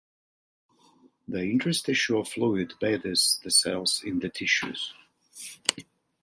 The interstitial fluid bathes the cells in the tissues.